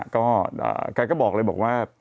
ใครก็บอกเลยบอกว่า